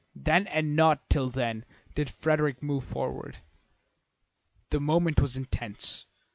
Then and not till then did Frederick move forward. The moment was intense.